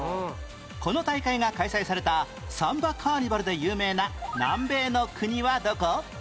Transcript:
この大会が開催されたサンバカーニバルで有名な南米の国はどこ？